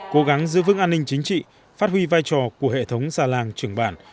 cố gắng giữ vững an ninh chính trị phát huy vai trò của hệ thống xa làng trưởng bản